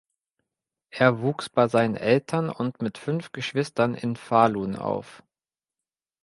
Er wuchs bei seinen Eltern und mit fünf Geschwistern in Falun auf.